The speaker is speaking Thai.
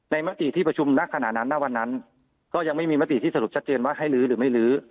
มติที่ประชุมนักขณะนั้นณวันนั้นก็ยังไม่มีมติที่สรุปชัดเจนว่าให้ลื้อหรือไม่ลื้อ